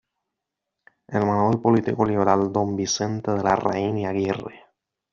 Hermano del político liberal Don "Vicente de Larraín y Aguirre".